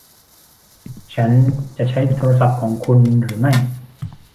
ฉันจะใช้โทรศัพท์ของคุณหรือไม่